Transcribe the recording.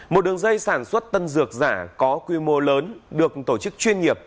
một đường dây sản xuất tân dược giả có quy mô lớn được tổ chức chuyên nghiệp